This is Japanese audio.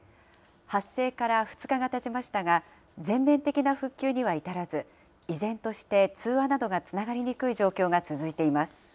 発生から２日がたちましたが、全面的な復旧には至らず、依然として通話などがつながりにくい状況が続いています。